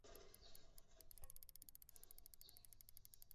餐桌上有满满一大锅肉燥